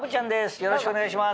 よろしくお願いします。